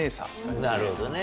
なるほどね。